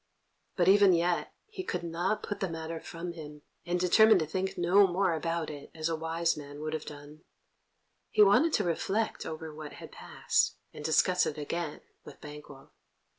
But even yet he could not put the matter from him, and determine to think no more about it, as a wise man would have done. He wanted to reflect over what had passed, and discuss it again with Banquo.